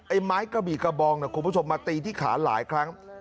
ไม้กระบี่กระบองนะคุณผู้ชมมาตีที่ขาหลายครั้ง